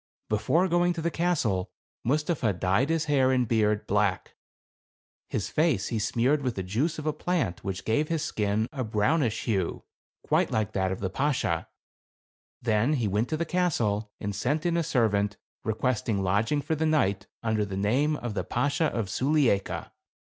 Before going to the castle, Mustapha dyed his hair and beard black ; his face he smeared with the juice of a plant which gave his skin a brown ish hue quite like that of the Bashaw ; then he went to the castle and sent in a servant, request ing lodging for the night under the name of the Bashaw of Sulieika.